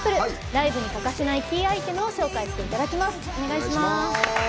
ライブに欠かせないキーアイテムを紹介していただきます。